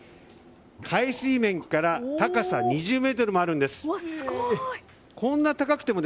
海水面から高さ２０ｍもあるんです。